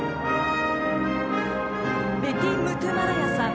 ベティ・ムトゥマラヤさん。